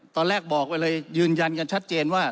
ตอนแรกบอกไปเลยยืนยันกันชัดเจนว่า